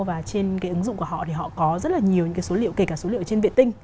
và trên cái ứng dụng của họ thì họ có rất là nhiều những cái số liệu kể cả số liệu trên viện tinh